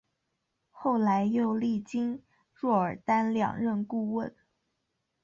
后来又历经若尔丹两任顾问。